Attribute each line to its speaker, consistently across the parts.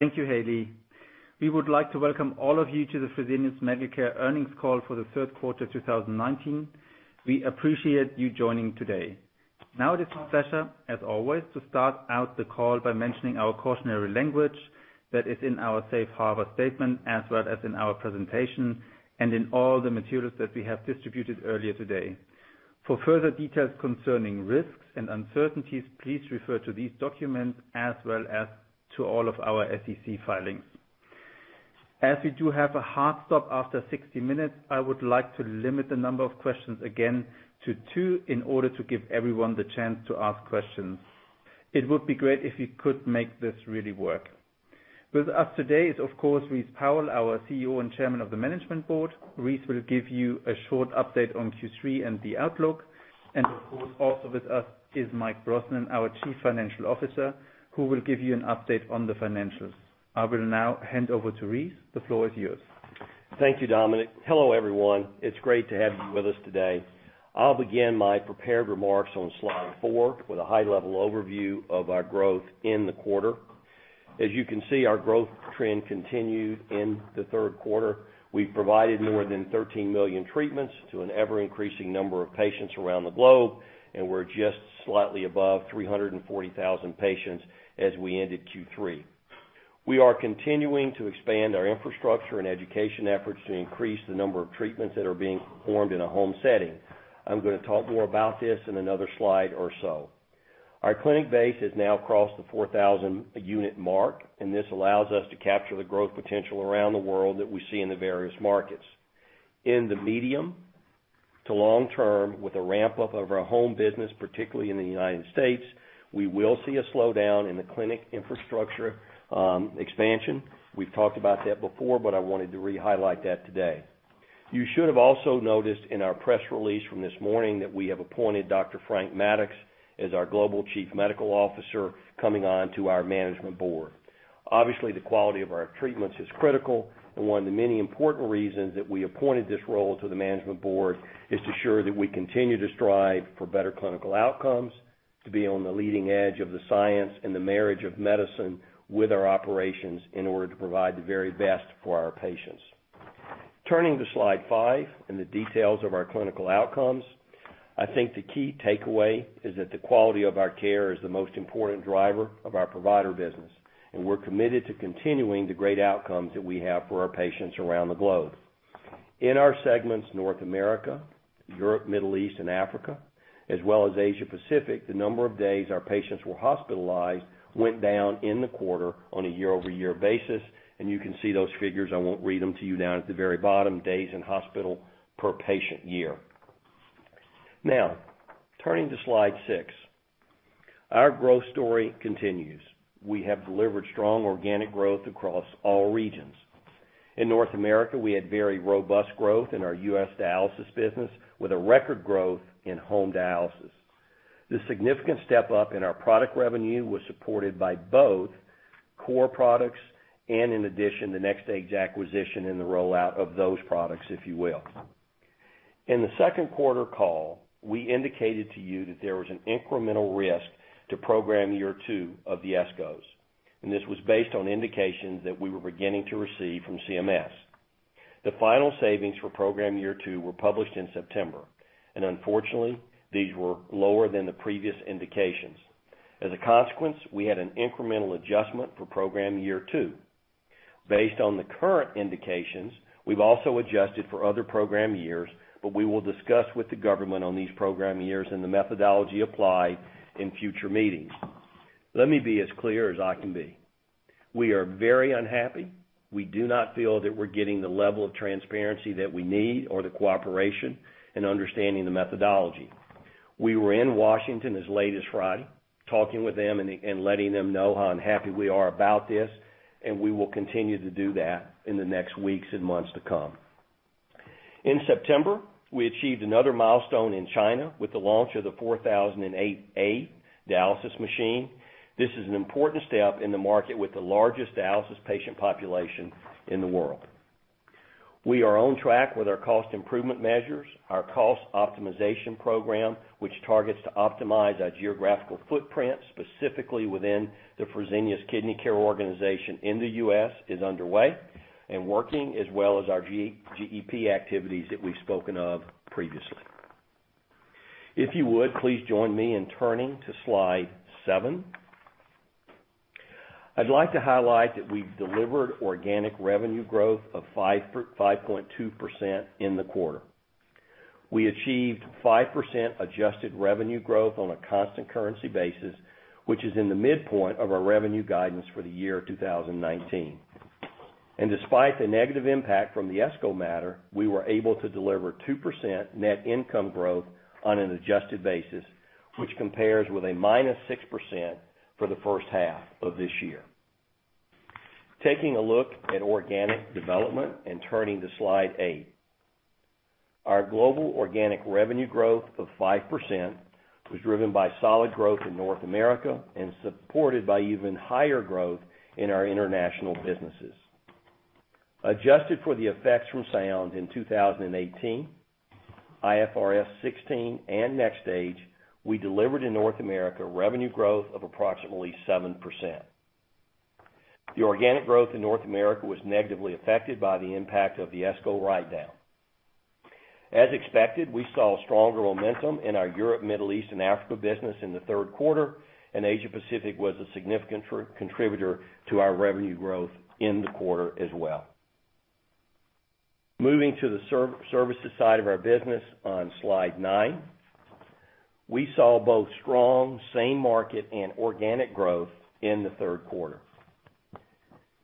Speaker 1: Thank you, Haley. We would like to welcome all of you to the Fresenius Medical Care earnings call for the third quarter of 2019. We appreciate you joining today. Now it is my pleasure, as always, to start out the call by mentioning our cautionary language that is in our Safe Harbor statement, as well as in our presentation and in all the materials that we have distributed earlier today. For further details concerning risks and uncertainties, please refer to these documents as well as to all of our SEC filings. As we do have a hard stop after 60 minutes, I would like to limit the number of questions again to two in order to give everyone the chance to ask questions. It would be great if we could make this really work. With us today is, of course, Rice Powell, our CEO and Chairman of the Management Board. Rice will give you a short update on Q3 and the outlook. Of course, also with us is Michael Brosnan, our Chief Financial Officer, who will give you an update on the financials. I will now hand over to Rice. The floor is yours.
Speaker 2: Thank you, Dominik. Hello, everyone. It's great to have you with us today. I'll begin my prepared remarks on slide four with a high-level overview of our growth in the quarter. As you can see, our growth trend continued in the third quarter. We provided more than 13 million treatments to an ever-increasing number of patients around the globe, and we're just slightly above 340,000 patients as we ended Q3. We are continuing to expand our infrastructure and education efforts to increase the number of treatments that are being performed in a home setting. I'm going to talk more about this in another slide or so. Our clinic base has now crossed the 4,000-unit mark, and this allows us to capture the growth potential around the world that we see in the various markets. In the medium to long term, with a ramp-up of our home business, particularly in the U.S., we will see a slowdown in the clinic infrastructure expansion. We've talked about that before, but I wanted to re-highlight that today. You should have also noticed in our press release from this morning that we have appointed Dr. Frank Maddux as our Global Chief Medical Officer coming onto our management board. Obviously, the quality of our treatments is critical, and one of the many important reasons that we appointed this role to the management board is to ensure that we continue to strive for better clinical outcomes, to be on the leading edge of the science and the marriage of medicine with our operations in order to provide the very best for our patients. Turning to slide five and the details of our clinical outcomes, I think the key takeaway is that the quality of our care is the most important driver of our provider business, and we're committed to continuing the great outcomes that we have for our patients around the globe. In our segments, North America, Europe, Middle East, and Africa, as well as Asia Pacific, the number of days our patients were hospitalized went down in the quarter on a year-over-year basis, and you can see those figures, I won't read them to you now, at the very bottom, days in hospital per patient year. Turning to slide six. Our growth story continues. We have delivered strong organic growth across all regions. In North America, we had very robust growth in our U.S. dialysis business, with a record growth in home dialysis. This significant step up in our product revenue was supported by both core products and in addition, the NxStage acquisition and the rollout of those products, if you will. In the second quarter call, we indicated to you that there was an incremental risk to program year two of the ESCOs. This was based on indications that we were beginning to receive from CMS. The final savings for program year two were published in September. Unfortunately, these were lower than the previous indications. As a consequence, we had an incremental adjustment for program year two. Based on the current indications, we've also adjusted for other program years. We will discuss with the government on these program years and the methodology applied in future meetings. Let me be as clear as I can be. We are very unhappy. We do not feel that we're getting the level of transparency that we need or the cooperation in understanding the methodology. We were in Washington as late as Friday talking with them and letting them know how unhappy we are about this, and we will continue to do that in the next weeks and months to come. In September, we achieved another milestone in China with the launch of the 4008A dialysis machine. This is an important step in the market with the largest dialysis patient population in the world. We are on track with our cost improvement measures. Our cost optimization program, which targets to optimize our geographical footprint, specifically within the Fresenius Kidney Care organization in the U.S., is underway and working as well as our GEP activities that we've spoken of previously. If you would, please join me in turning to slide seven. I'd like to highlight that we've delivered organic revenue growth of 5.2% in the quarter. We achieved 5% adjusted revenue growth on a constant currency basis, which is in the midpoint of our revenue guidance for the year 2019. Despite the negative impact from the ESCO matter, we were able to deliver 2% net income growth on an adjusted basis, which compares with a minus 6% for the first half of this year. Taking a look at organic development and turning to slide eight. Our global organic revenue growth of 5% was driven by solid growth in North America and supported by even higher growth in our international businesses. Adjusted for the effects from Sound in 2018, IFRS 16, and NxStage, we delivered in North America revenue growth of approximately 7%. The organic growth in North America was negatively affected by the impact of the ESCO write-down. As expected, we saw stronger momentum in our Europe, Middle East, and Africa business in the third quarter. Asia Pacific was a significant contributor to our revenue growth in the quarter as well. Moving to the services side of our business on slide nine, we saw both strong same market and organic growth in the third quarter.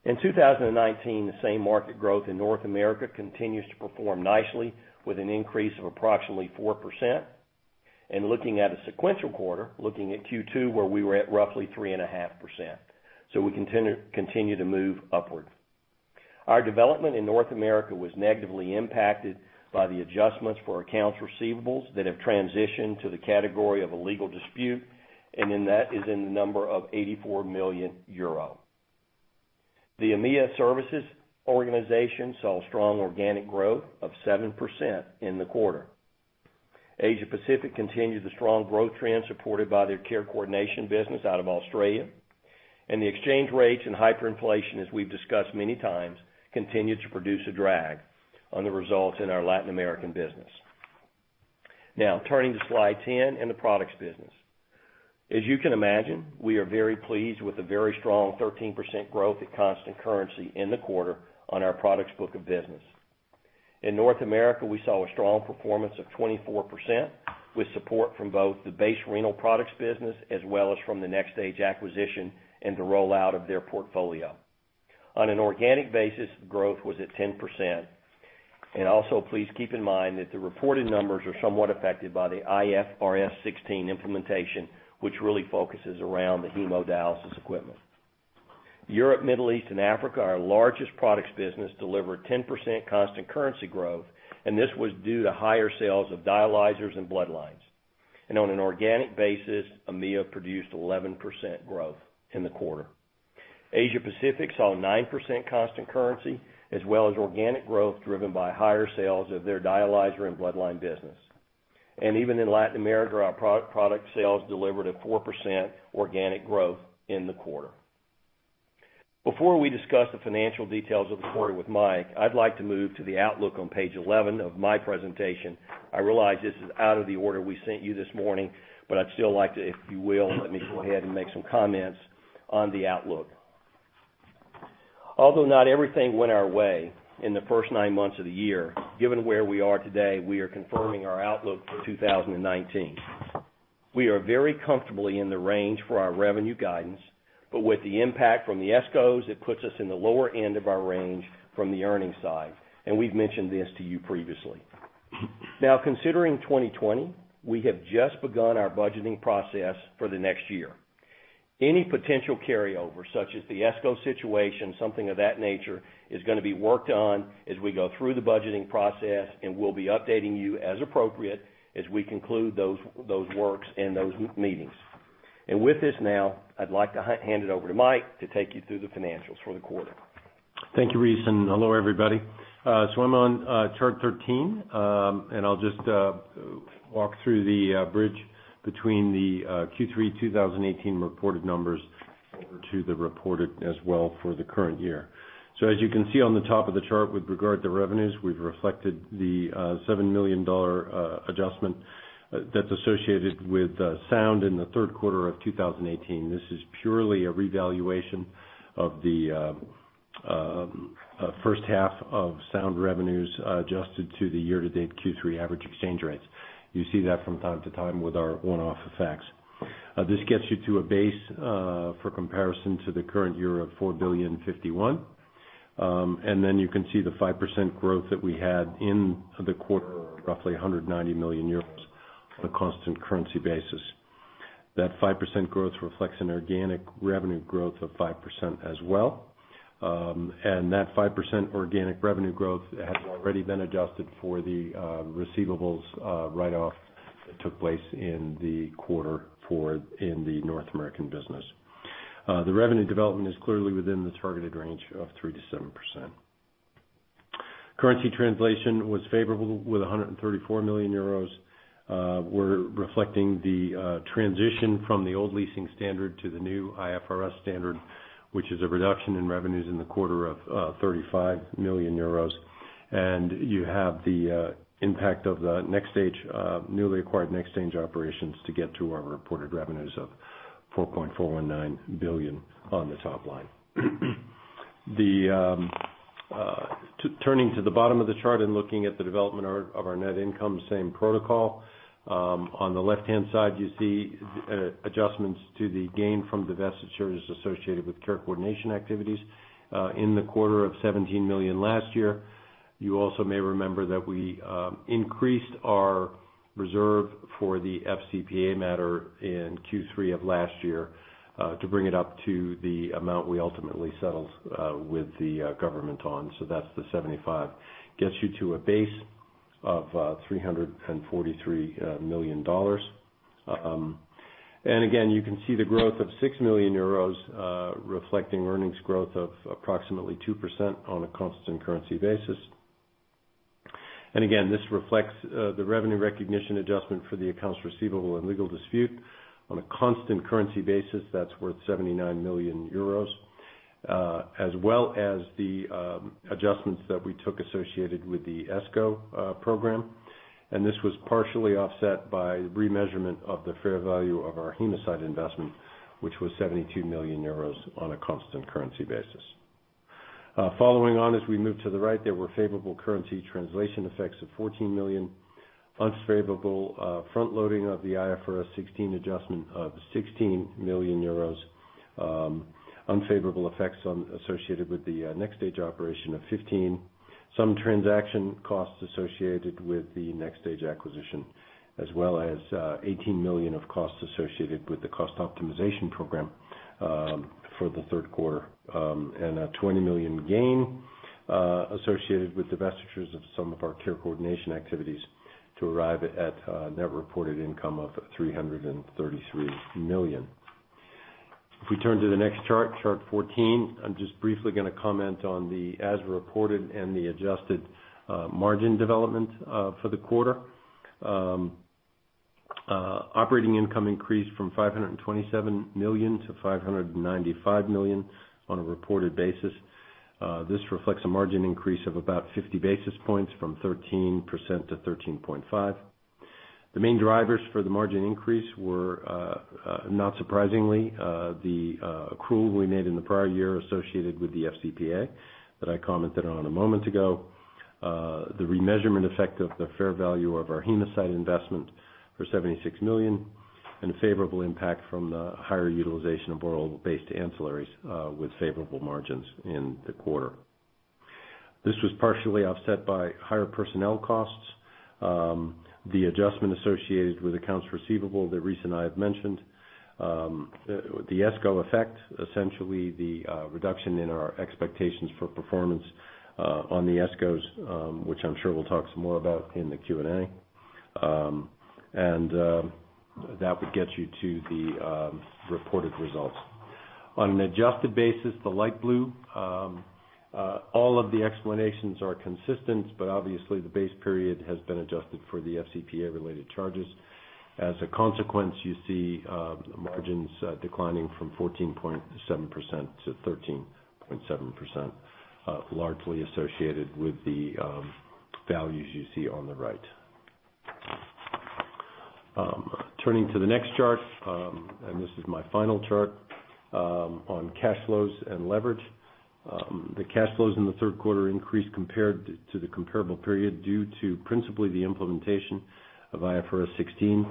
Speaker 2: In 2019, the same market growth in North America continues to perform nicely, with an increase of approximately 4%. Looking at a sequential quarter, looking at Q2, where we were at roughly 3.5%. We continue to move upward. Our development in North America was negatively impacted by the adjustments for accounts receivables that have transitioned to the category of a legal dispute. That is in the number of 84 million euro. The EMEA services organization saw strong organic growth of 7% in the quarter. Asia Pacific continues the strong growth trend supported by their care coordination business out of Australia. The exchange rates and hyperinflation, as we've discussed many times, continued to produce a drag on the results in our Latin American business. Turning to slide 10 and the products business. As you can imagine, we are very pleased with the very strong 13% growth at constant currency in the quarter on our products book of business. In North America, we saw a strong performance of 24%, with support from both the base renal products business as well as from the NxStage acquisition and the rollout of their portfolio. On an organic basis, growth was at 10%. Also please keep in mind that the reported numbers are somewhat affected by the IFRS 16 implementation, which really focuses around the hemodialysis equipment. Europe, Middle East, and Africa, our largest products business, delivered 10% constant currency growth. This was due to higher sales of dialyzers and bloodlines. On an organic basis, EMEA produced 11% growth in the quarter. Asia Pacific saw 9% constant currency as well as organic growth driven by higher sales of their dialyzer and bloodline business. Even in Latin America, our product sales delivered a 4% organic growth in the quarter. Before we discuss the financial details of the quarter with Mike, I'd like to move to the outlook on page 11 of my presentation. I realize this is out of the order we sent you this morning, I'd still like to, if you will, let me go ahead and make some comments on the outlook. Although not everything went our way in the first nine months of the year, given where we are today, we are confirming our outlook for 2019. We are very comfortably in the range for our revenue guidance, but with the impact from the ESCOs, it puts us in the lower end of our range from the earnings side, and we've mentioned this to you previously. Considering 2020, we have just begun our budgeting process for the next year. Any potential carryover, such as the ESCO situation, something of that nature, is going to be worked on as we go through the budgeting process, and we'll be updating you as appropriate as we conclude those works and those meetings. With this now, I'd like to hand it over to Mike to take you through the financials for the quarter.
Speaker 3: Thank you, Rice, hello, everybody. I'm on chart 13. I'll just walk through the bridge between the Q3 2018 reported numbers over to the reported as well for the current year. As you can see on the top of the chart with regard to revenues, we've reflected the EUR 7 million adjustment that's associated with Sound in the third quarter of 2018. This is purely a revaluation of the first half of Sound revenues adjusted to the year-to-date Q3 average exchange rates. You see that from time to time with our one-off effects. This gets you to a base for comparison to the current year of 4 billion 51. You can see the 5% growth that we had in the quarter of roughly 190 million euros on a constant currency basis. That 5% growth reflects an organic revenue growth of 5% as well. That 5% organic revenue growth has already been adjusted for the receivables write-off that took place in the quarter in the North American business. The revenue development is clearly within the targeted range of 3%-7%. Currency translation was favorable with 134 million euros. We're reflecting the transition from the old leasing standard to the new IFRS standard, which is a reduction in revenues in the quarter of 35 million euros. You have the impact of the newly acquired NxStage operations to get to our reported revenues of 4.419 billion on the top line. Turning to the bottom of the chart and looking at the development of our net income, same protocol. On the left-hand side, you see adjustments to the gain from divestitures associated with care coordination activities in the quarter of 17 million last year. You also may remember that we increased our reserve for the FCPA matter in Q3 of last year to bring it up to the amount we ultimately settled with the government on. That's the 75. Gets you to a base of EUR 343 million. Again, you can see the growth of 6 million euros reflecting earnings growth of approximately 2% on a constant currency basis. Again, this reflects the revenue recognition adjustment for the accounts receivable and legal dispute. On a constant currency basis, that's worth 79 million euros, as well as the adjustments that we took associated with the ESCO program. This was partially offset by remeasurement of the fair value of our Humacyte investment, which was 72 million euros on a constant currency basis. Following on as we move to the right, there were favorable currency translation effects of 14 million, unfavorable front-loading of the IFRS 16 adjustment of 16 million euros, unfavorable effects associated with the NxStage operation of 15 million, some transaction costs associated with the NxStage acquisition, as well as 18 million of costs associated with the cost optimization program for the third quarter, and a 20 million gain associated with divestitures of some of our care coordination activities to arrive at net reported income of 333 million. We turn to the next chart 14, I am just briefly going to comment on the as-reported and the adjusted margin development for the quarter. Operating income increased from 527 million to 595 million on a reported basis. This reflects a margin increase of about 50 basis points from 13% to 13.5%. The main drivers for the margin increase were, not surprisingly, the accrual we made in the prior year associated with the FCPA that I commented on a moment ago, the remeasurement effect of the fair value of our Humacyte investment for 76 million, and a favorable impact from the higher utilization of oral-based ancillaries with favorable margins in the quarter. This was partially offset by higher personnel costs. The adjustment associated with accounts receivable that Rice and I have mentioned. The ESCO effect, essentially the reduction in our expectations for performance on the ESCOs, which I'm sure we'll talk some more about in the Q&A. That would get you to the reported results. On an adjusted basis, the light blue, all of the explanations are consistent, but obviously, the base period has been adjusted for the FCPA-related charges. As a consequence, you see margins declining from 14.7% to 13.7%, largely associated with the values you see on the right. Turning to the next chart, this is my final chart, on cash flows and leverage. The cash flows in the third quarter increased compared to the comparable period due to principally the implementation of IFRS 16.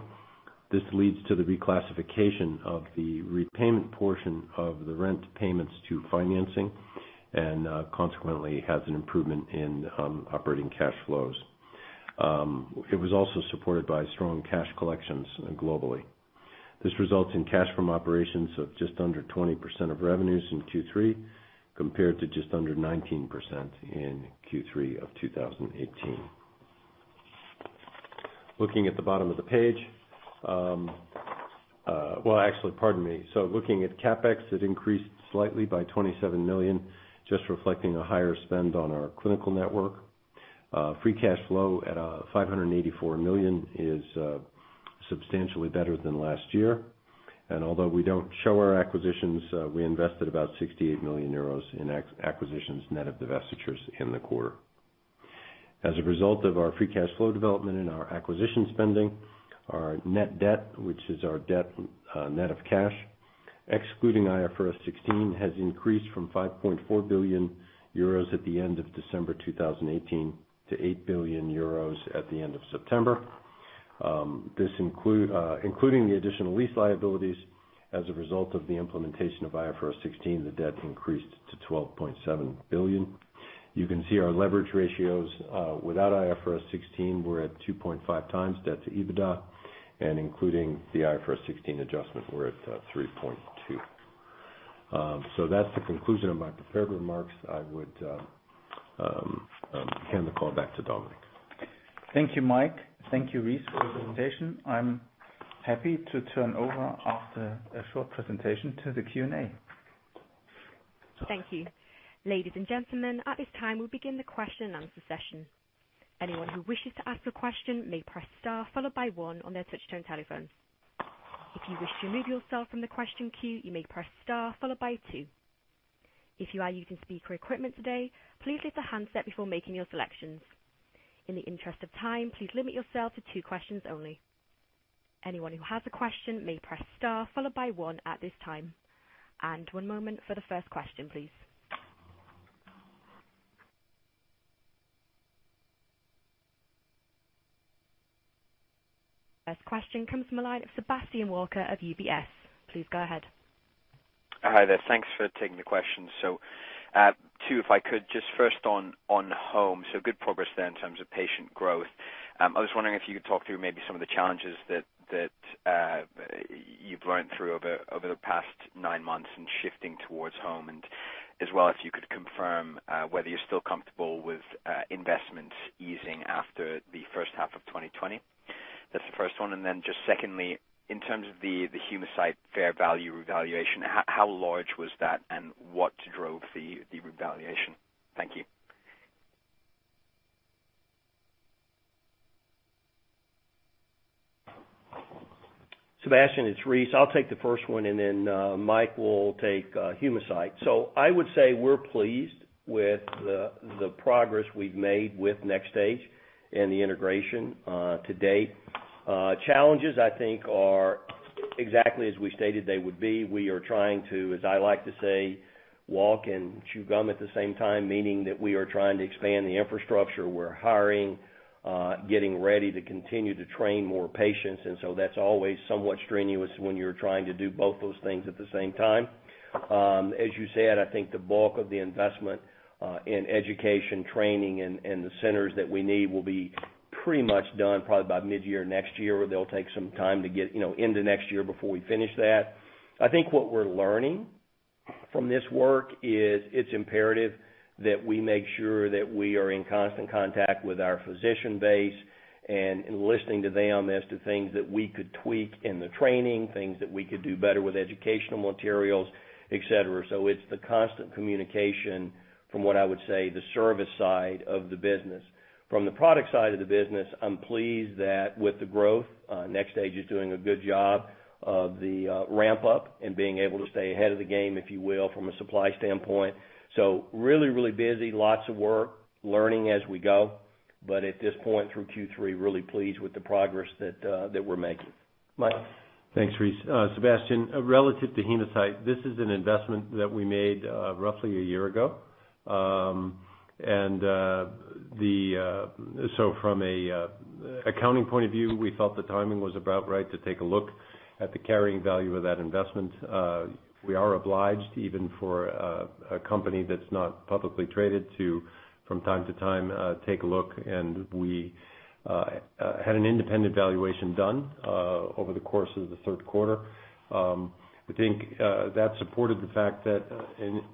Speaker 3: This leads to the reclassification of the repayment portion of the rent payments to financing and consequently has an improvement in operating cash flows. It was also supported by strong cash collections globally. This results in cash from operations of just under 20% of revenues in Q3, compared to just under 19% in Q3 of 2018. Looking at the bottom of the page. Well, actually, pardon me. Looking at CapEx, it increased slightly by 27 million, just reflecting a higher spend on our clinical network. Free cash flow at 584 million is substantially better than last year. Although we don't show our acquisitions, we invested about 68 million euros in acquisitions net of divestitures in the quarter. As a result of our free cash flow development and our acquisition spending, our net debt, which is our debt net of cash, excluding IFRS 16, has increased from 5.4 billion euros at the end of December 2018 to 8 billion euros at the end of September. Including the additional lease liabilities as a result of the implementation of IFRS 16, the debt increased to 12.7 billion. You can see our leverage ratios without IFRS 16 were at 2.5 times debt to EBITDA, and including the IFRS 16 adjustment, we're at 3.2. That's the conclusion of my prepared remarks. I would hand the call back to Dominik.
Speaker 1: Thank you, Mike. Thank you, Rice, for your presentation. I am happy to turn over after a short presentation to the Q&A.
Speaker 4: Thank you. Ladies and gentlemen, at this time, we'll begin the question and answer session. Anyone who wishes to ask a question may press star followed by one on their touch-tone telephone. If you wish to remove yourself from the question queue, you may press star followed by two. If you are using speaker equipment today, please lift the handset before making your selections. In the interest of time, please limit yourself to two questions only. Anyone who has a question may press star followed by one at this time. One moment for the first question, please. First question comes from the line of Sebastian Walker of UBS. Please go ahead.
Speaker 5: Hi there. Thanks for taking the question. Two, if I could just first on home. Good progress there in terms of patient growth. I was wondering if you could talk through maybe some of the challenges that you've learned through over the past nine months and shifting towards home and as well as you could confirm whether you're still comfortable with investments easing after the first half of 2020. That's the first one. Just secondly, in terms of the Humacyte fair value revaluation, how large was that and what drove the revaluation? Thank you.
Speaker 2: Sebastian, it's Rice. I'll take the first one, and then Mike will take Humacyte. I would say we're pleased with the progress we've made with NxStage and the integration to date. Challenges, I think, are exactly as we stated they would be. We are trying to, as I like to say, walk and chew gum at the same time, meaning that we are trying to expand the infrastructure. We're hiring, getting ready to continue to train more patients. That's always somewhat strenuous when you're trying to do both those things at the same time. As you said, I think the bulk of the investment in education training and the centers that we need will be pretty much done probably by mid-year next year, or they'll take some time to get into next year before we finish that. I think what we're learning from this work is it's imperative that we make sure that we are in constant contact with our physician base and listening to them as to things that we could tweak in the training, things that we could do better with educational materials, et cetera. It's the constant communication from what I would say, the service side of the business. From the product side of the business, I'm pleased that with the growth, NxStage is doing a good job of the ramp-up and being able to stay ahead of the game, if you will, from a supply standpoint. Really busy, lots of work, learning as we go. At this point through Q3, really pleased with the progress that we're making. Mike?
Speaker 3: Thanks, Rice. Sebastian, relative to Humacyte, this is an investment that we made roughly a year ago. From an accounting point of view, we felt the timing was about right to take a look at the carrying value of that investment. We are obliged, even for a company that's not publicly traded, to, from time to time, take a look, and we had an independent valuation done over the course of the third quarter. I think that supported the fact that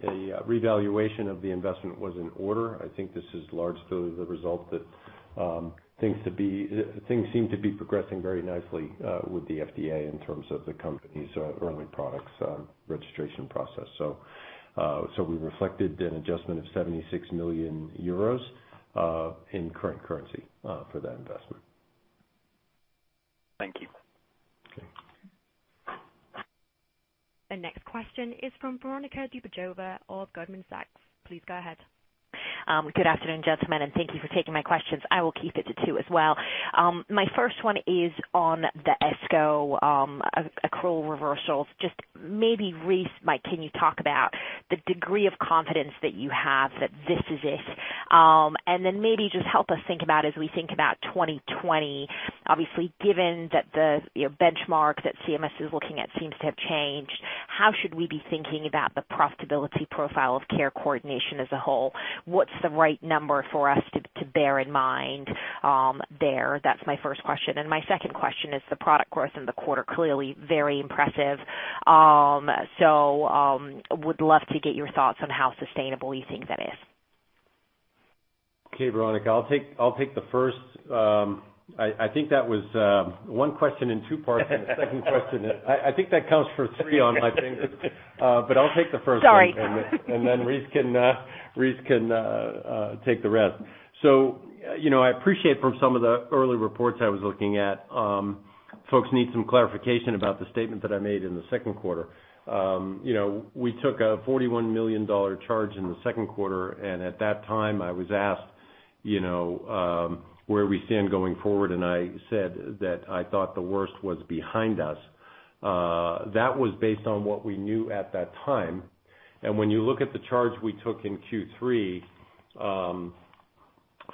Speaker 3: a revaluation of the investment was in order. I think this is largely the result that things seem to be progressing very nicely with the FDA in terms of the company's early products registration process. We reflected an adjustment of 76 million euros in current currency for that investment.
Speaker 5: Thank you.
Speaker 3: Okay.
Speaker 4: The next question is from Veronika Dubajova of Goldman Sachs. Please go ahead.
Speaker 6: Good afternoon, gentlemen, and thank you for taking my questions. I will keep it to two as well. My first one is on the ESCO accrual reversals. Just maybe Rice, Mike, can you talk about the degree of confidence that you have that this is it? Then maybe just help us think about as we think about 2020, obviously, given that the benchmark that CMS is looking at seems to have changed, how should we be thinking about the profitability profile of care coordination as a whole? What's the right number for us to bear in mind there? That's my first question. My second question is the product growth in the quarter clearly very impressive. Would love to get your thoughts on how sustainable you think that is.
Speaker 3: Okay, Veronika. I'll take the first. I think that was one question in two parts and the second question I think that counts for three on my thing. I'll take the first one.
Speaker 6: Sorry
Speaker 3: Rice can take the rest. I appreciate from some of the early reports I was looking at, folks need some clarification about the statement that I made in the second quarter. We took a EUR 41 million charge in the second quarter. At that time, I was asked where we stand going forward. I said that I thought the worst was behind us. That was based on what we knew at that time. When you look at the charge we took in Q3,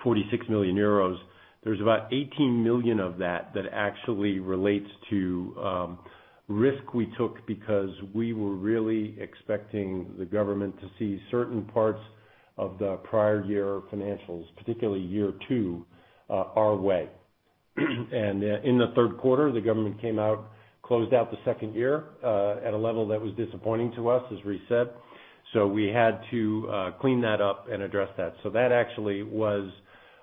Speaker 3: 46 million euros, there's about 18 million of that that actually relates to risk we took because we were really expecting the government to see certain parts of the prior year financials, particularly year two, our way. In the third quarter, the government came out, closed out the second year at a level that was disappointing to us, as Rice said. We had to clean that up and address that. That actually was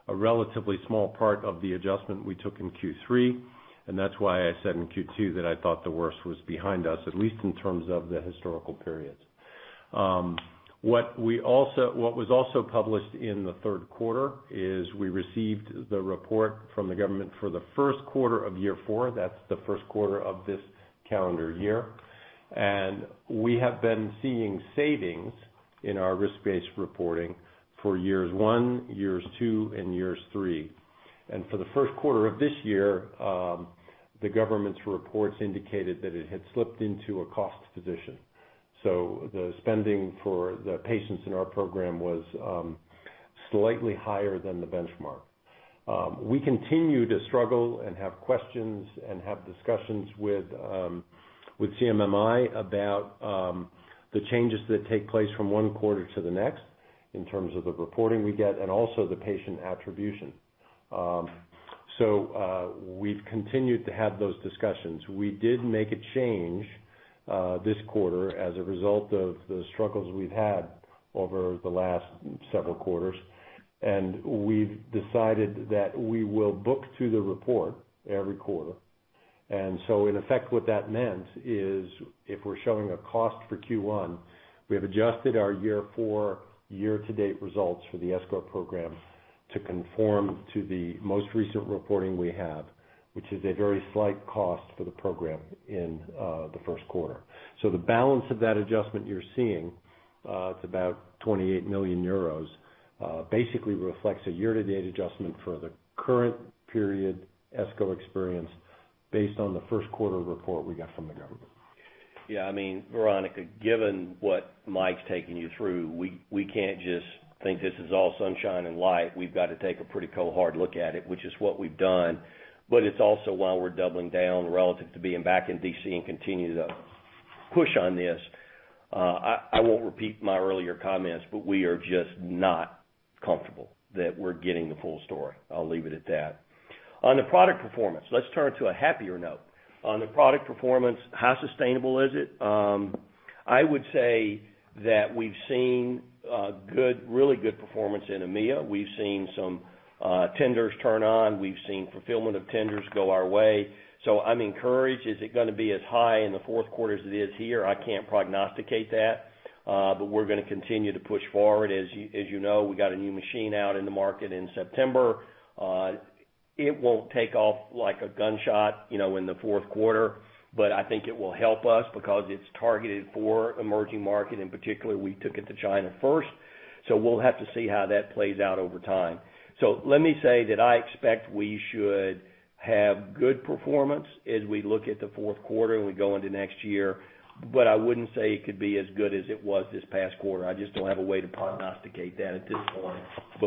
Speaker 3: a relatively small part of the adjustment we took in Q3, and that's why I said in Q2 that I thought the worst was behind us, at least in terms of the historical periods. What was also published in the third quarter is we received the report from the government for the first quarter of year 4. That's the first quarter of this calendar year. We have been seeing savings in our risk-based reporting for years 1, years 2, and years 3. For the first quarter of this year, the government's reports indicated that it had slipped into a cost position. The spending for the patients in our program was slightly higher than the benchmark. We continue to struggle and have questions and have discussions with CMMI about the changes that take place from one quarter to the next in terms of the reporting we get and also the patient attribution. We've continued to have those discussions. We did make a change this quarter as a result of the struggles we've had over the last several quarters, and we've decided that we will book to the report every quarter. In effect, what that meant is if we're showing a cost for Q1, we have adjusted our year-to-date results for the ESCO program to conform to the most recent reporting we have, which is a very slight cost for the program in the first quarter. The balance of that adjustment you're seeing, it's about 28 million euros, basically reflects a year-to-date adjustment for the current period escrow experience based on the first quarter report we got from the government.
Speaker 2: Yeah, Veronika, given what Mike's taking you through, we can't just think this is all sunshine and light. We've got to take a pretty cold, hard look at it, which is what we've done. It's also why we're doubling down relative to being back in D.C. and continue to push on this. I won't repeat my earlier comments, we are just not comfortable that we're getting the full story. I'll leave it at that. On the product performance, let's turn to a happier note. On the product performance, how sustainable is it? I would say that we've seen a really good performance in EMEA. We've seen some tenders turn on. We've seen fulfillment of tenders go our way. I'm encouraged. Is it going to be as high in the fourth quarter as it is here? I can't prognosticate that. We're going to continue to push forward. As you know, we got a new machine out in the market in September. It won't take off like a gunshot in the fourth quarter, but I think it will help us because it's targeted for emerging market. In particular, we took it to China first, so we'll have to see how that plays out over time. Let me say that I expect we should have good performance as we look at the fourth quarter and we go into next year. I wouldn't say it could be as good as it was this past quarter. I just don't have a way to prognosticate that at this point.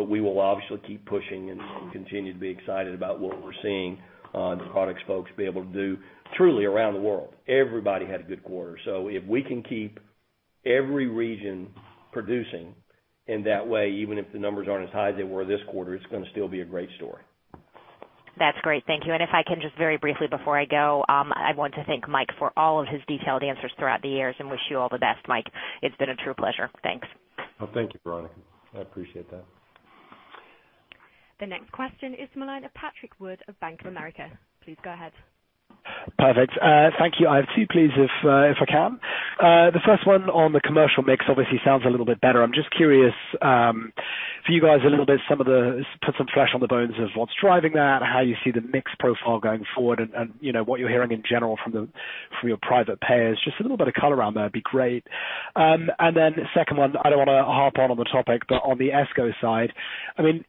Speaker 2: We will obviously keep pushing and continue to be excited about what we're seeing the products folks be able to do truly around the world. Everybody had a good quarter. If we can keep every region producing in that way, even if the numbers aren't as high as they were this quarter, it's going to still be a great story.
Speaker 6: That's great. Thank you. If I can just very briefly before I go, I want to thank Mike for all of his detailed answers throughout the years and wish you all the best, Mike. It's been a true pleasure. Thanks.
Speaker 3: Well, thank you, Veronika. I appreciate that.
Speaker 4: The next question is Patrick Wood of Bank of America. Please go ahead.
Speaker 7: Perfect. Thank you. I have two, please, if I can. The first one on the commercial mix obviously sounds a little bit better. I'm just curious, for you guys a little bit, put some flesh on the bones of what's driving that, how you see the mix profile going forward and what you're hearing in general from your private payers. Just a little bit of color around that'd be great. The second one, I don't want to harp on the topic, but on the escrow side, it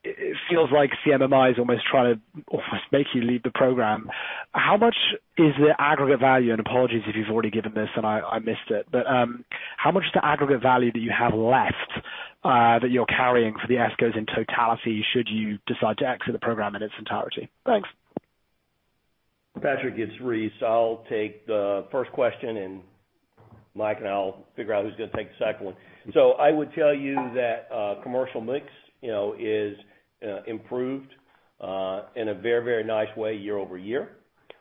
Speaker 7: feels like CMMI is almost trying to almost make you leave the program. How much is the aggregate value? Apologies if you've already given this and I missed it. How much is the aggregate value that you have left that you're carrying for the escrows in totality should you decide to exit the program in its entirety? Thanks.
Speaker 2: Patrick, it's Rice. I'll take the first question, and Michael and I will figure out who's going to take the second one. I would tell you that commercial mix is improved in a very nice way year-over-year.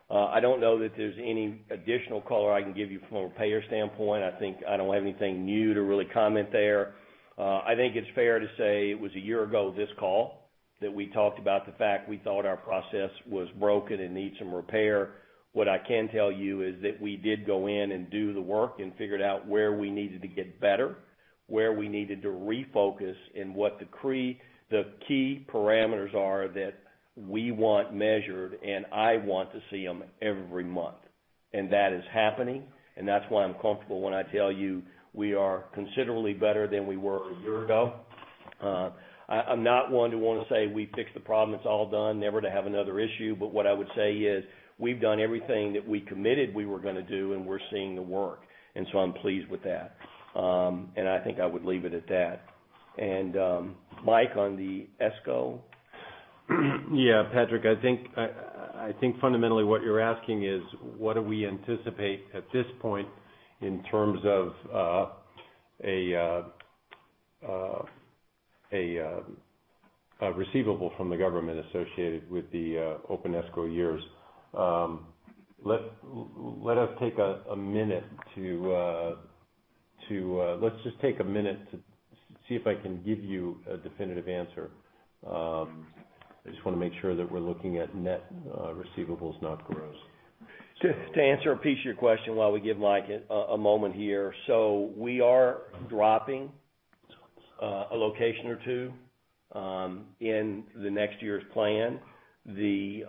Speaker 2: I don't know that there's any additional color I can give you from a payer standpoint. I think I don't have anything new to really comment there. I think it's fair to say it was a year ago this call that we talked about the fact we thought our process was broken and needs some repair. What I can tell you is that we did go in and do the work and figured out where we needed to get better, where we needed to refocus, and what the key parameters are that we want measured, and I want to see them every month. That is happening, and that's why I'm comfortable when I tell you we are considerably better than we were a year ago. I'm not one to want to say we fixed the problem, it's all done, never to have another issue. What I would say is we've done everything that we committed we were going to do, and we're seeing the work, and so I'm pleased with that. I think I would leave it at that. Mike, on the escrow?
Speaker 3: Yeah, Patrick, I think fundamentally what you're asking is what do we anticipate at this point in terms of a receivable from the government associated with the open escrow years. Let us just take a minute to see if I can give you a definitive answer. I just want to make sure that we're looking at net receivables, not gross.
Speaker 2: To answer a piece of your question while we give Mike a moment here. We are dropping a location or two in the next year's plan. The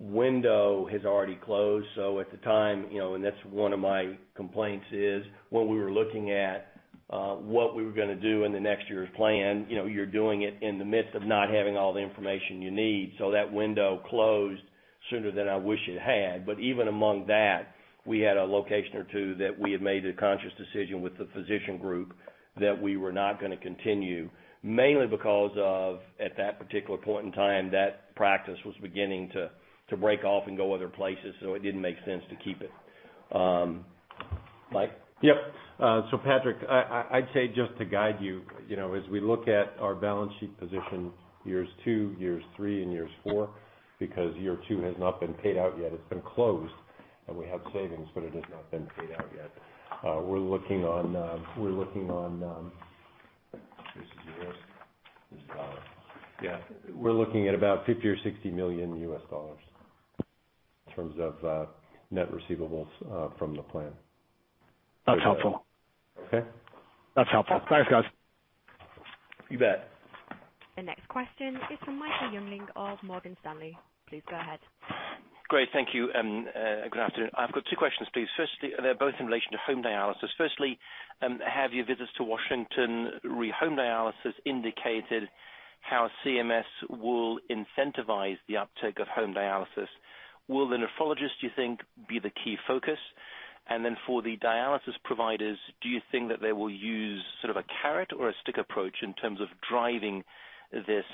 Speaker 2: window has already closed, so at the time, and that's one of my complaints is when we were looking at what we were going to do in the next year's plan, you're doing it in the midst of not having all the information you need. That window closed sooner than I wish it had. Even among that, we had a location or two that we had made a conscious decision with the physician group that we were not going to continue, mainly because of, at that particular point in time, that practice was beginning to break off and go other places, so it didn't make sense to keep it. Mike?
Speaker 3: Yep. Patrick, I'd say just to guide you, as we look at our balance sheet position years two, years three, and years four, because year two has not been paid out yet. It's been closed, and we have savings, but it has not been paid out yet. This is years. This is dollars. Yeah. We're looking at about $50 or $60 million in terms of net receivables from the plan.
Speaker 7: That's helpful.
Speaker 3: Okay.
Speaker 7: That's helpful. Thanks, guys.
Speaker 3: You bet.
Speaker 4: The next question is from Michael Jungling of Morgan Stanley. Please go ahead.
Speaker 8: Great, thank you. Good afternoon. I've got two questions, please. They're both in relation to home dialysis. Firstly, have your visits to Washington re: home dialysis indicated how CMS will incentivize the uptake of home dialysis? Will the nephrologist, do you think, be the key focus? Then for the dialysis providers, do you think that they will use sort of a carrot or a stick approach in terms of driving this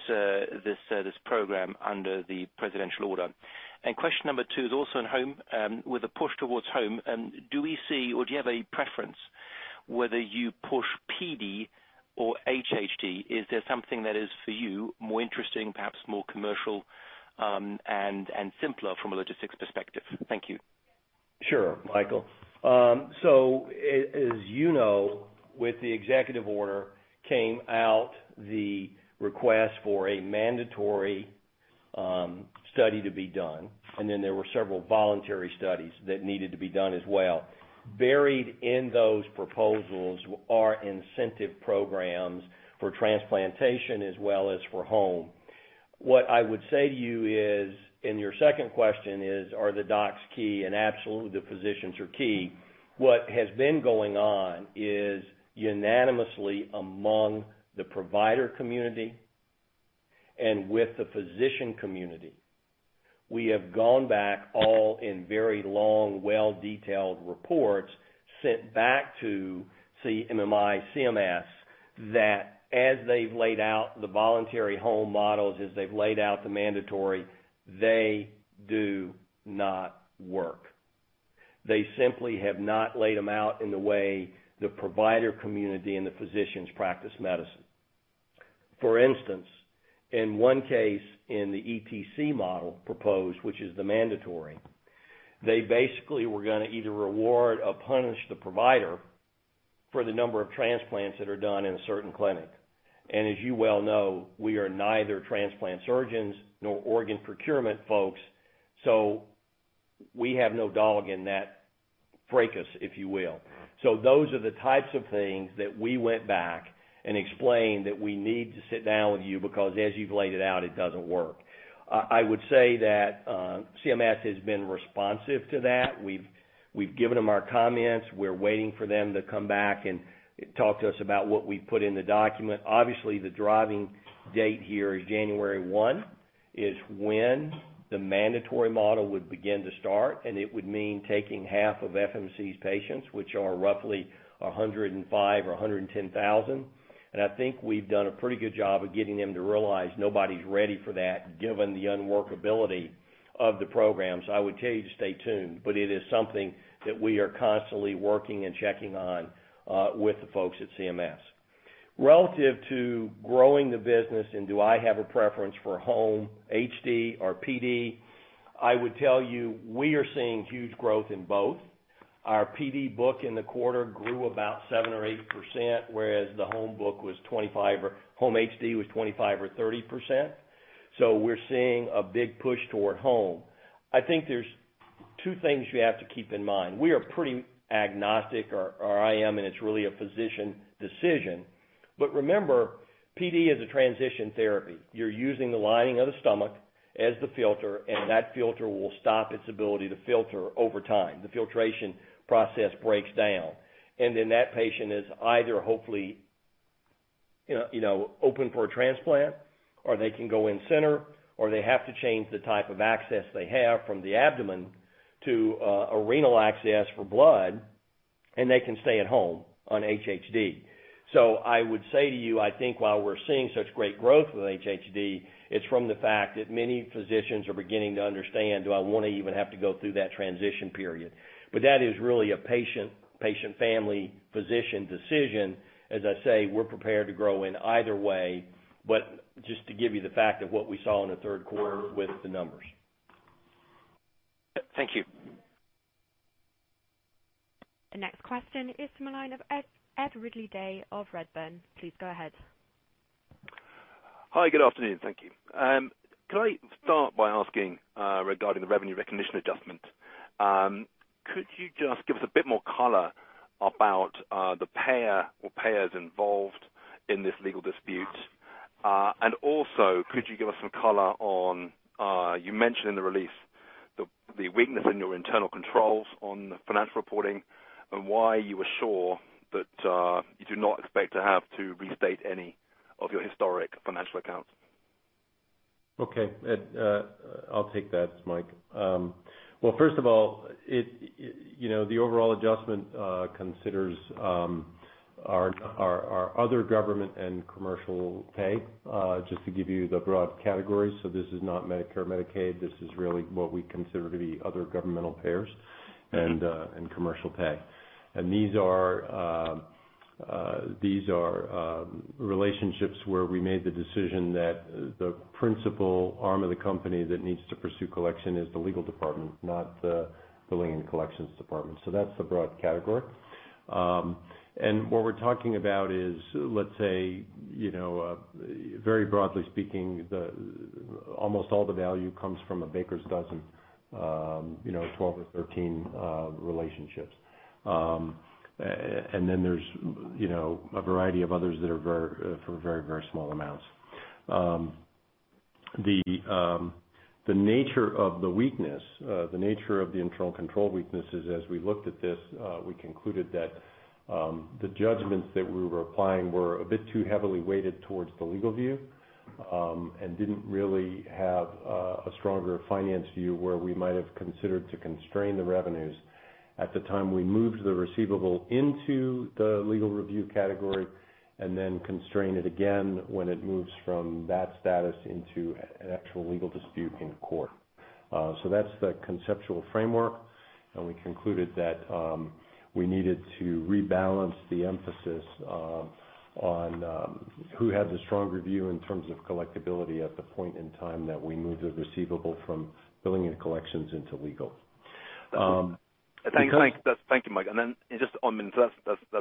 Speaker 8: program under the presidential order? Question number two is also on home. With a push towards home, do we see or do you have a preference whether you push PD or HHD? Is there something that is, for you, more interesting, perhaps more commercial, and simpler from a logistics perspective? Thank you.
Speaker 2: Sure, Michael. As you know, with the executive order came out the request for a mandatory study to be done, and then there were several voluntary studies that needed to be done as well. Buried in those proposals are incentive programs for transplantation as well as for home. What I would say to you is, and your second question is, are the docs key? Absolutely, the physicians are key. What has been going on is unanimously among the provider community and with the physician community. We have gone back all in very long, well-detailed reports sent back to CMMI, CMS, that as they've laid out the voluntary home models, as they've laid out the mandatory, they do not work. They simply have not laid them out in the way the provider community and the physicians practice medicine. For instance, in one case in the ETC model proposed, which is the mandatory, they basically were going to either reward or punish the provider for the number of transplants that are done in a certain clinic. As you well know, we are neither transplant surgeons nor organ procurement folks, so we have no dog in that fracas, if you will. Those are the types of things that we went back and explained that we need to sit down with you because as you've laid it out, it doesn't work. I would say that CMS has been responsive to that. We've given them our comments. We're waiting for them to come back and talk to us about what we put in the document. Obviously, the driving date here is January 1, is when the mandatory model would begin to start, and it would mean taking half of Fresenius Medical Care's patients, which are roughly 105,000 or 110,000. I think we've done a pretty good job of getting them to realize nobody's ready for that given the unworkability of the program. I would tell you to stay tuned, but it is something that we are constantly working and checking on with the folks at CMS. Relative to growing the business and do I have a preference for home HD or PD, I would tell you we are seeing huge growth in both. Our PD book in the quarter grew about 7% or 8%, whereas the home HD was 25% or 30%. We're seeing a big push toward home. I think there's two things you have to keep in mind. We are pretty agnostic, or I am, and it's really a physician decision. Remember, PD is a transition therapy. You're using the lining of the stomach as the filter, and that filter will stop its ability to filter over time. The filtration process breaks down. Then that patient is either hopefully open for a transplant, or they can go in center, or they have to change the type of access they have from the abdomen to a renal access for blood, and they can stay at home on HHD. I would say to you, I think while we're seeing such great growth with HHD, it's from the fact that many physicians are beginning to understand, do I want to even have to go through that transition period? That is really a patient, family, physician decision. As I say, we're prepared to grow in either way. Just to give you the fact of what we saw in the third quarter with the numbers.
Speaker 8: Thank you.
Speaker 4: The next question is from the line of Ed Ridley-Day of Redburn. Please go ahead.
Speaker 9: Hi, good afternoon. Thank you. Could I start by asking regarding the revenue recognition adjustment? Could you just give us a bit more color about the payer or payers involved in this legal dispute? Also, could you give us some color on, you mentioned in the release the weakness in your internal controls on the financial reporting and why you were sure that you do not expect to have to restate any of your historic financial accounts.
Speaker 3: Okay, Ed. I'll take that, Mike. Well, first of all, the overall adjustment considers our other government and commercial pay, just to give you the broad categories. This is not Medicare or Medicaid. This is really what we consider to be other governmental payers and commercial pay. These are relationships where we made the decision that the principal arm of the company that needs to pursue collection is the legal department, not the billing and collections department. That's the broad category. What we're talking about is, let's say, very broadly speaking, almost all the value comes from a baker's dozen, 12 or 13 relationships. There's a variety of others that are for very small amounts. The nature of the internal control weaknesses as we looked at this, we concluded that the judgments that we were applying were a bit too heavily weighted towards the legal view, and didn't really have a stronger finance view where we might have considered to constrain the revenues at the time we moved the receivable into the legal review category, and then constrain it again when it moves from that status into an actual legal dispute in court. That's the conceptual framework. We concluded that we needed to rebalance the emphasis on who had the stronger view in terms of collectibility at the point in time that we moved the receivable from billing and collections into legal.
Speaker 9: Thank you, Mike. That's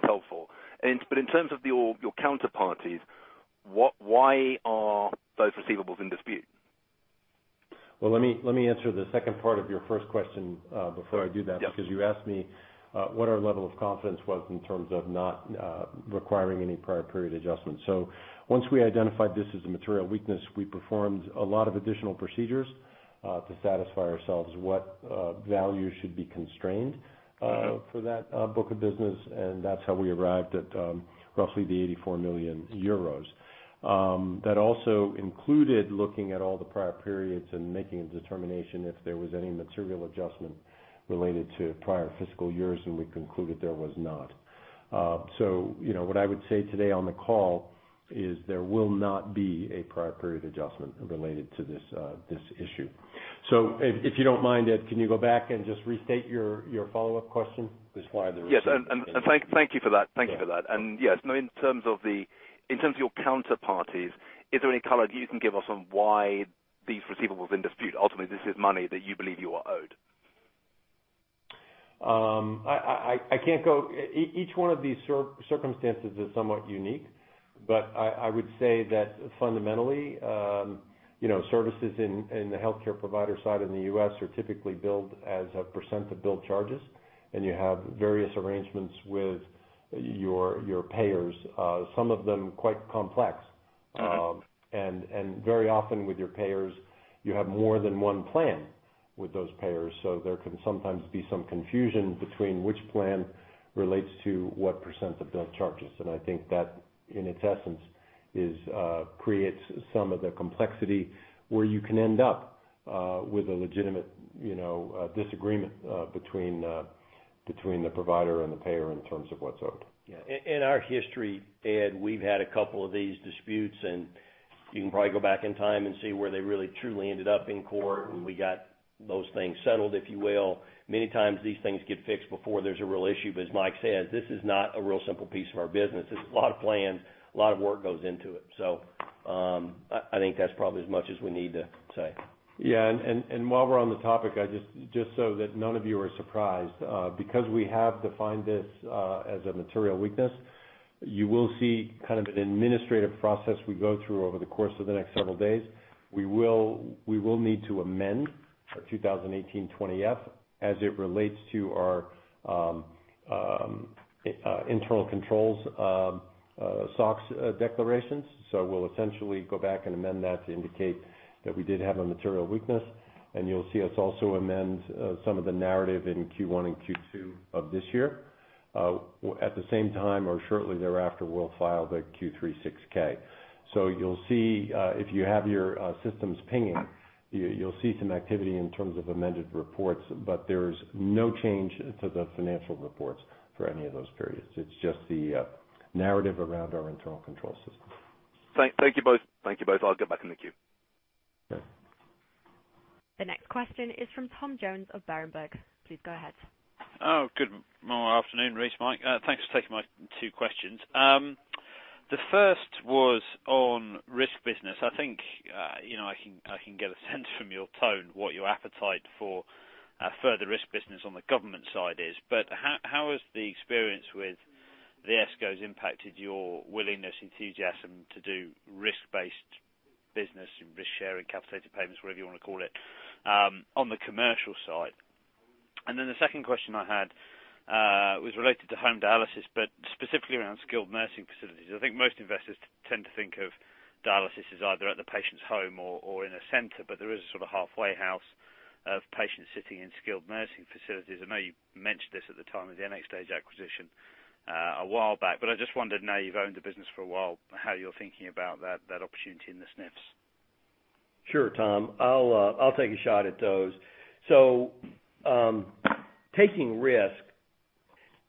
Speaker 9: helpful. In terms of your counterparties, why are those receivables in dispute?
Speaker 3: Well, let me answer the second part of your first question before I do that.
Speaker 9: Sure. Yeah
Speaker 3: You asked me what our level of confidence was in terms of not requiring any prior period adjustments. Once we identified this as a material weakness, we performed a lot of additional procedures to satisfy ourselves what value should be constrained for that book of business, and that's how we arrived at roughly the 84 million euros. That also included looking at all the prior periods and making a determination if there was any material adjustment related to prior fiscal years, we concluded there was not. What I would say today on the call is there will not be a prior period adjustment related to this issue. If you don't mind, Ed, can you go back and just restate your follow-up question?
Speaker 9: Yes. Thank you for that. Yeah. Yes, now in terms of your counterparties, is there any color you can give us on why these receivables are in dispute? Ultimately, this is money that you believe you are owed.
Speaker 3: Each one of these circumstances is somewhat unique. I would say that fundamentally, services in the healthcare provider side in the U.S. are typically billed as a % of billed charges, and you have various arrangements with your payers, some of them quite complex.
Speaker 9: All right.
Speaker 3: Very often with your payers, you have more than one plan with those payers, so there can sometimes be some confusion between which plan relates to what percent of billed charges. I think that, in its essence, creates some of the complexity where you can end up with a legitimate disagreement between the provider and the payer in terms of what's owed.
Speaker 2: Yeah. In our history, Ed, we've had a couple of these disputes, and you can probably go back in time and see where they really truly ended up in court, and we got those things settled, if you will. Many times these things get fixed before there's a real issue. As Mike says, this is not a real simple piece of our business. This is a lot of plans, a lot of work goes into it. I think that's probably as much as we need to say.
Speaker 3: Yeah. While we're on the topic, just so that none of you are surprised, because we have defined this as a material weakness, you will see an administrative process we go through over the course of the next several days. We will need to amend our 2018 20-F as it relates to our internal controls SOX declarations. We'll essentially go back and amend that to indicate that we did have a material weakness, and you'll see us also amend some of the narrative in Q1 and Q2 of this year. At the same time, or shortly thereafter, we'll file the Q3 6-K. If you have your systems pinging, you'll see some activity in terms of amended reports, but there's no change to the financial reports for any of those periods. It's just the narrative around our internal control system.
Speaker 9: Thank you both. I'll get back in the queue.
Speaker 3: Yeah.
Speaker 4: The next question is from Tom Jones of Berenberg. Please go ahead.
Speaker 10: Good afternoon, Rice, Michael. Thanks for taking my two questions. The first was on risk business. I think I can get a sense from your tone what your appetite for further risk business on the government side is, but how has the experience with the ESCOs impacted your willingness, enthusiasm to do risk-based business and risk-sharing, capitated payments, whatever you want to call it, on the commercial side? The second question I had was related to home dialysis, but specifically around Skilled Nursing Facilities. I think most investors tend to think of dialysis as either at the patient's home or in a center, but there is a sort of halfway house of patients sitting in Skilled Nursing Facilities. I know you mentioned this at the time of the NxStage acquisition a while back, but I just wondered now you've owned the business for a while, how you're thinking about that opportunity in the SNFs?
Speaker 2: Sure, Tom. I will take a shot at those. Taking risk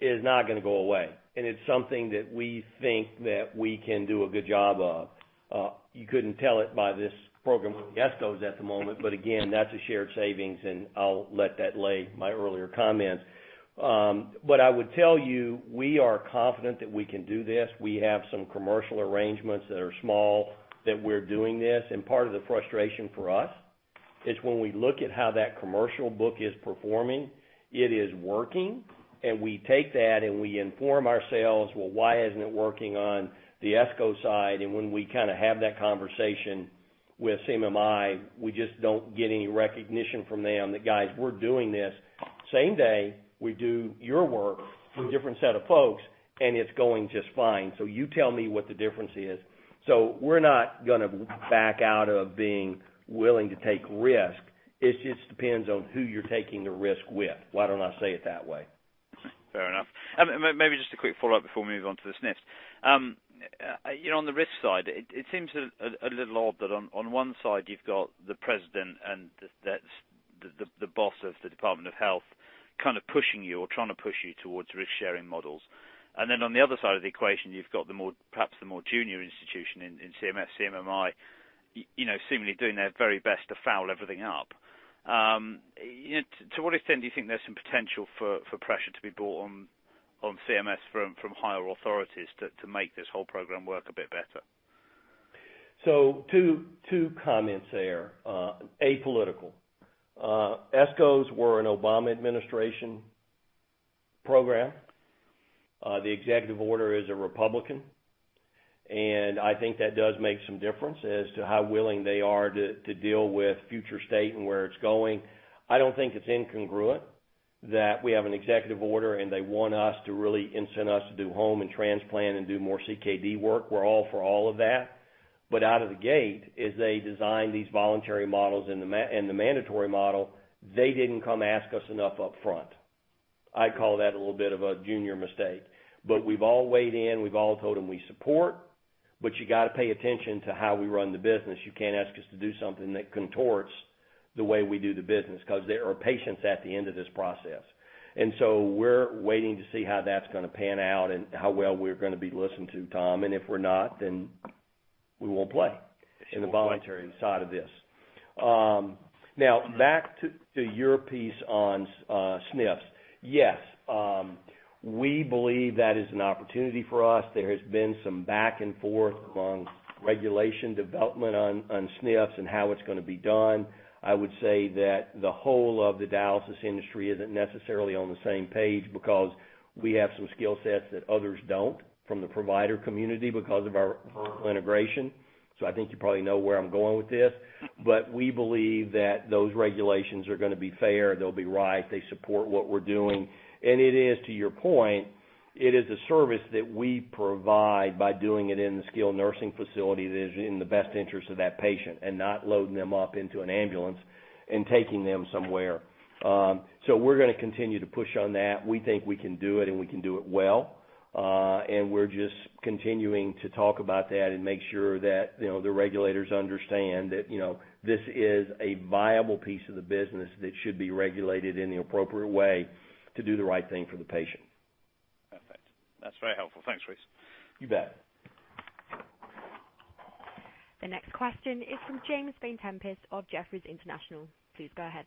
Speaker 2: is not going to go away, and it is something that we think that we can do a good job of. You couldn't tell it by this program with the ESCOs at the moment, but again, that is a shared savings, and I will let that lay my earlier comments. I would tell you, we are confident that we can do this. We have some commercial arrangements that are small, that we are doing this, and part of the frustration for us is when we look at how that commercial book is performing, it is working, and we take that and we inform ourselves, "Well, why isn't it working on the ESCO side?" When we kind of have that conversation with CMMI, we just don't get any recognition from them that, "Guys, we are doing this. Same day, we do your work with a different set of folks, and it's going just fine. You tell me what the difference is. We're not going to back out of being willing to take risks. It just depends on who you're taking the risk with. Why don't I say it that way?
Speaker 10: Fair enough. Maybe just a quick follow-up before we move on to the SNFs. On the risk side, it seems a little odd that on one side you've got the president and the boss of the Department of Health kind of pushing you or trying to push you towards risk-sharing models. Then on the other side of the equation, you've got perhaps the more junior institution in CMS, CMMI seemingly doing their very best to foul everything up. To what extent do you think there's some potential for pressure to be brought on CMS from higher authorities to make this whole program work a bit better?
Speaker 2: Two comments there. Apolitical. ESCOs were an Obama administration program. The executive order is a Republican, and I think that does make some difference as to how willing they are to deal with future state and where it's going. I don't think it's incongruent that we have an executive order and they want us to really incent us to do home and transplant and do more CKD work. We're all for all of that. Out of the gate, as they designed these voluntary models and the mandatory model, they didn't come ask us enough up front. I call that a little bit of a junior mistake. We've all weighed in, we've all told them we support, but you got to pay attention to how we run the business. You can't ask us to do something that contorts the way we do the business, because there are patients at the end of this process. We're waiting to see how that's going to pan out and how well we're going to be listened to, Tom, and if we're not, then we won't play in the voluntary side of this. Back to your piece on SNFs. Yes. We believe that is an opportunity for us. There has been some back and forth on regulation development on SNFs and how it's going to be done. I would say that the whole of the dialysis industry isn't necessarily on the same page because we have some skill sets that others don't from the provider community because of our vertical integration. I think you probably know where I'm going with this. We believe that those regulations are going to be fair, they'll be right, they support what we're doing. It is, to your point, it is a service that we provide by doing it in the Skilled Nursing Facility that is in the best interest of that patient, and not loading them up into an ambulance and taking them somewhere. We're going to continue to push on that. We think we can do it and we can do it well. We're just continuing to talk about that and make sure that the regulators understand that this is a viable piece of the business that should be regulated in the appropriate way to do the right thing for the patient.
Speaker 10: Perfect. That's very helpful. Thanks, Rice.
Speaker 2: You bet.
Speaker 4: The next question is from James Vane-Tempest of Jefferies International. Please go ahead.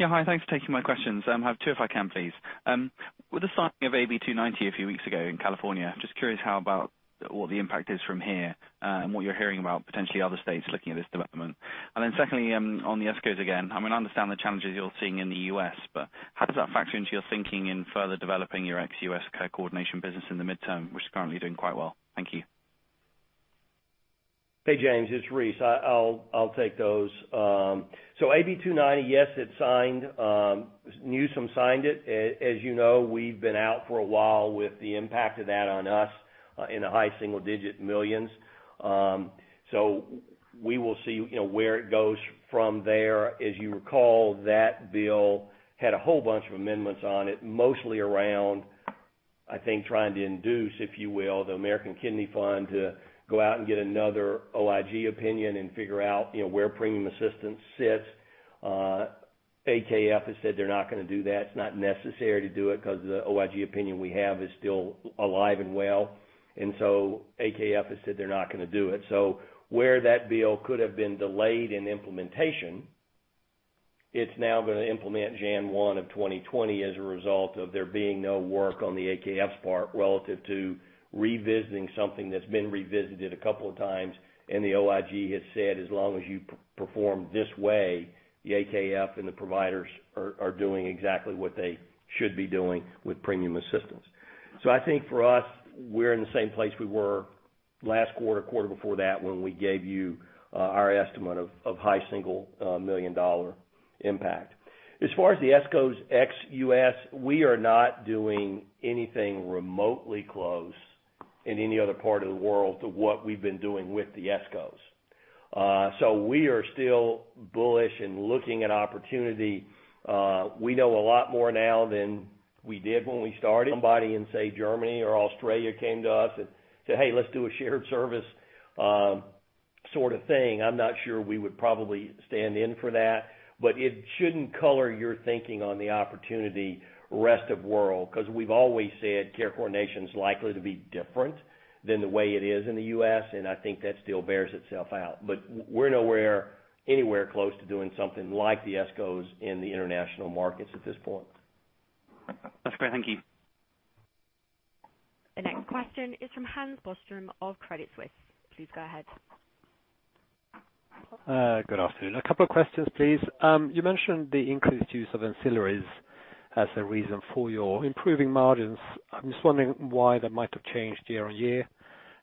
Speaker 11: Yeah. Hi. Thanks for taking my questions. I have two if I can, please. With the signing of AB 290 a few weeks ago in California, just curious how about what the impact is from here, and what you're hearing about potentially other states looking at this development. Secondly, on the ESCOs again. I mean, I understand the challenges you're seeing in the U.S., but how does that factor into your thinking in further developing your ex-U.S. care coordination business in the midterm, which is currently doing quite well? Thank you.
Speaker 2: Hey, James, it's Rice. I'll take those. AB 290, yes, it's signed. Newsom signed it. As you know, we've been out for a while with the impact of that on us in the high single-digit millions. We will see where it goes from there. As you recall, that bill had a whole bunch of amendments on it, mostly around, I think, trying to induce, if you will, the American Kidney Fund to go out and get another OIG opinion and figure out where premium assistance sits. AKF has said they're not going to do that. It's not necessary to do it because the OIG opinion we have is still alive and well. AKF has said they're not going to do it. Where that bill could have been delayed in implementation, it's now going to implement January 1 of 2020 as a result of there being no work on the AKF's part relative to revisiting something that's been revisited a couple of times, and the OIG has said, as long as you perform this way, the AKF and the providers are doing exactly what they should be doing with premium assistance. I think for us, we're in the same place we were last quarter before that, when we gave you our estimate of high single million EUR impact. As far as the ESCOs ex-U.S., we are not doing anything remotely close in any other part of the world to what we've been doing with the ESCOs. We are still bullish in looking at opportunity. We know a lot more now than we did when we started. Somebody in, say, Germany or Australia came to us and said, "Hey, let's do a shared service sort of thing," I'm not sure we would probably stand in for that. It shouldn't color your thinking on the opportunity rest of world, because we've always said care coordination is likely to be different than the way it is in the U.S., I think that still bears itself out. We're nowhere, anywhere close to doing something like the ESCOs in the international markets at this point.
Speaker 11: That's great. Thank you.
Speaker 4: The next question is from Hans Bostrom of Credit Suisse. Please go ahead.
Speaker 12: Good afternoon. A couple of questions, please. You mentioned the increased use of ancillaries as a reason for your improving margins. I'm just wondering why that might have changed year on year,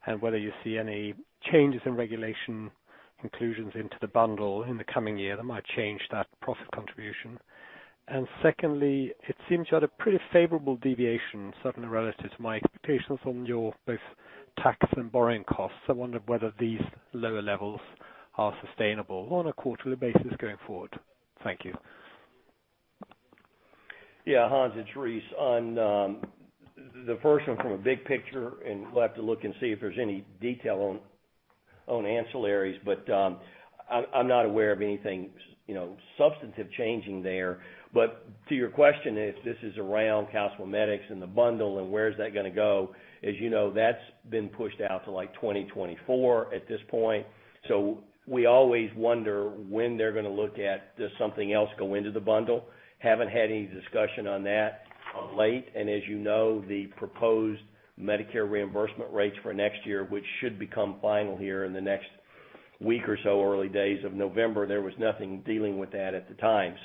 Speaker 12: and whether you see any changes in regulation inclusions into the bundle in the coming year that might change that profit contribution. Secondly, it seems you had a pretty favorable deviation, certainly relative to my expectations on your both tax and borrowing costs. I wondered whether these lower levels are sustainable on a quarterly basis going forward. Thank you.
Speaker 2: Hans, it's Rice. On the first one from a big picture, we'll have to look and see if there's any detail on ancillaries, but I'm not aware of anything substantive changing there. To your question, if this is around Calcimimetics and the bundle and where is that going to go, as you know, that's been pushed out to like 2024 at this point. We always wonder when they're going to look at, does something else go into the bundle. Haven't had any discussion on that of late, and as you know, the proposed Medicare reimbursement rates for next year, which should become final here in the next week or so, early days of November, there was nothing dealing with that at the time.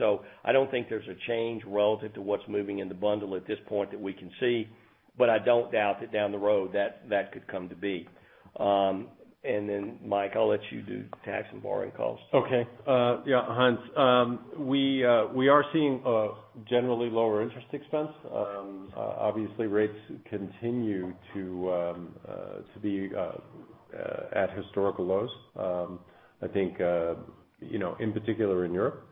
Speaker 2: I don't think there's a change relative to what's moving in the bundle at this point that we can see. I don't doubt that down the road, that could come to be. Mike, I'll let you do tax and borrowing costs.
Speaker 3: Okay. Yeah, Hans. We are seeing a generally lower interest expense. Obviously, rates continue to be at historical lows. I think, in particular in Europe.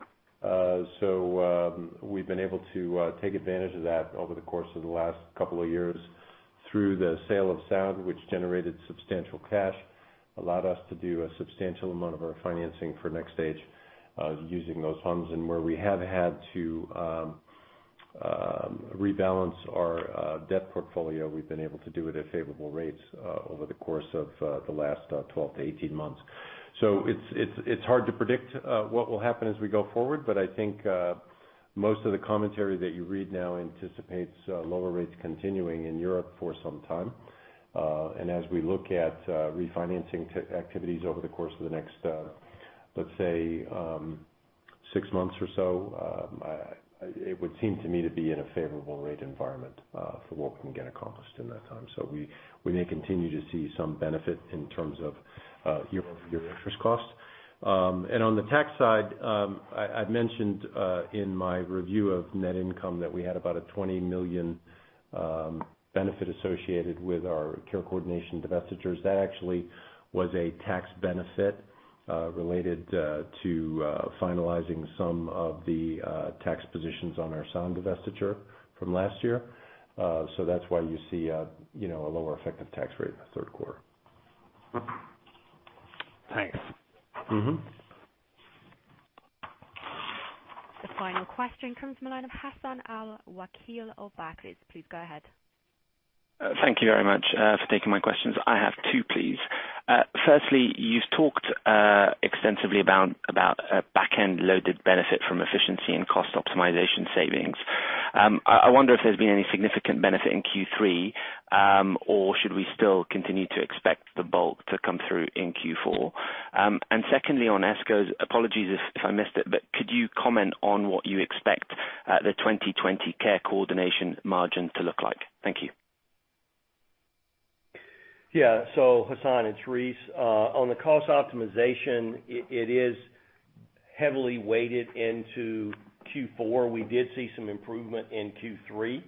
Speaker 3: We've been able to take advantage of that over the course of the last couple of years through the sale of Sound, which generated substantial cash, allowed us to do a substantial amount of our financing for NxStage, using those funds. Where we have had to rebalance our debt portfolio, we've been able to do it at favorable rates, over the course of the last 12-18 months. It's hard to predict what will happen as we go forward, but I think most of the commentary that you read now anticipates lower rates continuing in Europe for some time. As we look at refinancing activities over the course of the next, let's say, six months or so, it would seem to me to be in a favorable rate environment, for what we can get accomplished in that time. We may continue to see some benefit in terms of your interest costs. On the tax side, I've mentioned, in my review of net income that we had about a 20 million benefit associated with our care coordination divestitures. That actually was a tax benefit related to finalizing some of the tax positions on our Sound divestiture from last year. That's why you see a lower effective tax rate in the third quarter.
Speaker 12: Thanks.
Speaker 4: The final question comes from the line of Hassan Al-Wakeel of Barclays. Please go ahead.
Speaker 13: Thank you very much for taking my questions. I have two, please. Firstly, you've talked extensively about a backend loaded benefit from efficiency and cost optimization savings. I wonder if there's been any significant benefit in Q3, or should we still continue to expect the bulk to come through in Q4? Secondly, on ESCOs, apologies if I missed it, but could you comment on what you expect the 2020 care coordination margin to look like? Thank you.
Speaker 2: Yeah. Hassan, it's Rice. On the cost optimization, it is heavily weighted into Q4. We did see some improvement in Q3.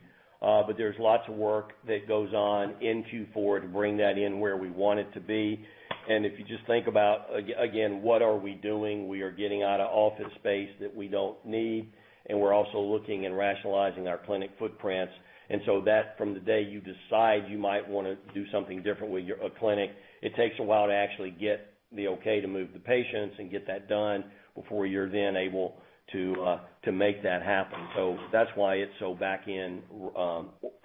Speaker 2: There's lots of work that goes on in Q4 to bring that in where we want it to be. If you just think about, again, what are we doing? We are getting out of office space that we don't need, and we're also looking and rationalizing our clinic footprints. From the day you decide you might want to do something different with a clinic, it takes a while to actually get the okay to move the patients and get that done before you're then able to make that happen. That's why it's so backend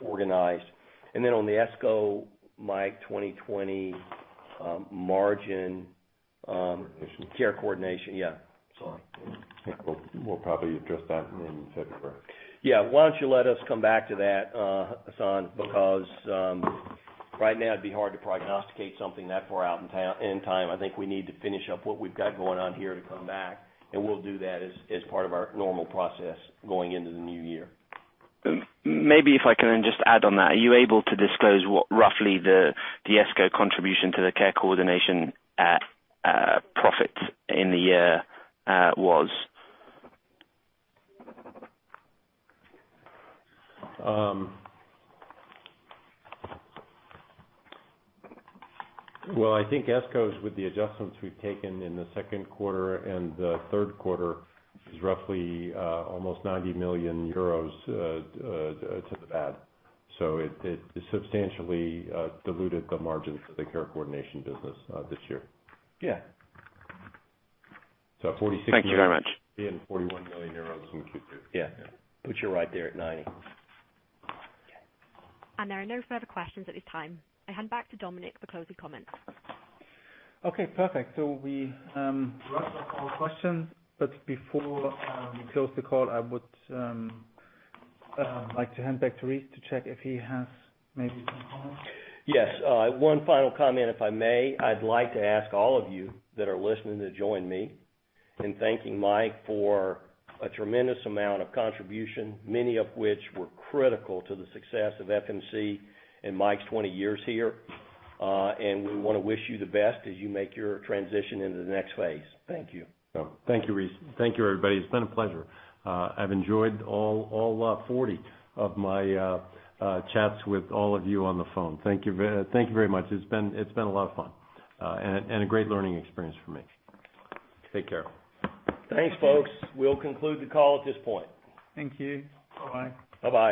Speaker 2: organized. On the ESCO, Michael.
Speaker 3: Coordination.
Speaker 2: Care coordination, yeah.
Speaker 3: We'll probably address that in February.
Speaker 2: Yeah. Why don't you let us come back to that, Hassan, because right now it'd be hard to prognosticate something that far out in time. I think we need to finish up what we've got going on here to come back, and we'll do that as part of our normal process going into the new year.
Speaker 13: Maybe if I can just add on that. Are you able to disclose what roughly the ESCO contribution to the care coordination profit in the year was?
Speaker 3: Well, I think ESCOs, with the adjustments we've taken in the second quarter and the third quarter, is roughly almost 90 million euros to the bad. It substantially diluted the margins for the care coordination business this year.
Speaker 2: Yeah.
Speaker 3: 46 million.
Speaker 13: Thank you very much.
Speaker 3: 41 million euros in Q2.
Speaker 2: Yeah. Puts you right there at 90.
Speaker 4: There are no further questions at this time. I hand back to Dominik for closing comments.
Speaker 1: Okay, perfect. We wrapped up all questions, but before we close the call, I would like to hand back to Rice to check if he has maybe some comments.
Speaker 2: Yes. One final comment, if I may. I'd like to ask all of you that are listening to join me in thanking Mike for a tremendous amount of contribution, many of which were critical to the success of FMC in Mike's 20 years here. We want to wish you the best as you make your transition into the next phase. Thank you.
Speaker 3: Thank you, Rice. Thank you, everybody. It's been a pleasure. I've enjoyed all 40 of my chats with all of you on the phone. Thank you very much. It's been a lot of fun, and a great learning experience for me. Take care.
Speaker 2: Thanks, folks. We'll conclude the call at this point.
Speaker 1: Thank you. Bye-bye.
Speaker 2: Bye-bye.